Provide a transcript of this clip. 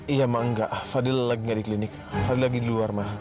iya mah enggak fadil lagi gak di klinik fadil lagi di luar mah